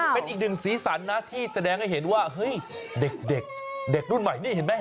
เป็นอีกหนึ่งสีสันนะที่แสดงให้เห็นว่าเฮ้ยเด็กเด็กรุ่นใหม่นี่เห็นไหม